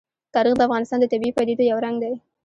تاریخ د افغانستان د طبیعي پدیدو یو رنګ دی.